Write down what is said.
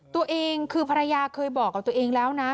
ตัวเองคือภรรยาเคยบอกกับตัวเองแล้วนะ